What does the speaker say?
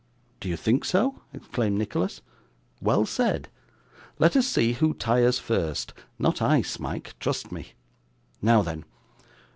'Do you think so?' exclaimed Nicholas. 'Well said. Let us see who tires first. Not I, Smike, trust me. Now then.